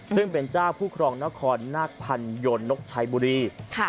ซึ่งเป็นเจ้าผู้ครองนครนาคพันยนนกชัยบุรี